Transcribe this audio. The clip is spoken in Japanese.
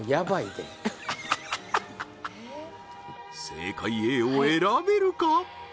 正解Ａを選べるか？